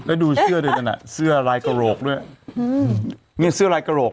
แอ้งจิเคยแบบ